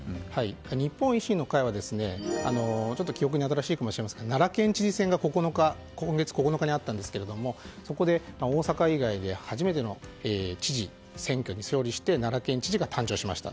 日本維新の会は記憶に新しいかもしれませんが奈良県知事選が今月９日にあったんですがそこで大阪以外で初めての知事選挙に勝利して奈良県知事が誕生しました。